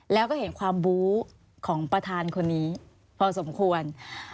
แล้วก็เห็นความบู้ของประธานคนนี้พอสมควร